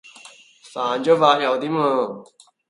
犯咗法又點喎